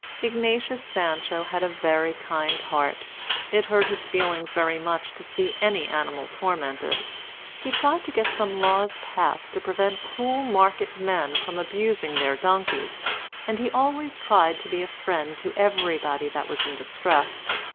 Ignatius Sancho had a very kind heart. It hurt his feelings very much to see any animal tormented. He tried to get some laws passed to prevent cruel market men from abusing their donkeys; and he always tried to be a friend to everybody that was in distress.